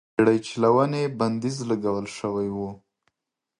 پر بېړۍ چلونې بندیز لګول شوی و.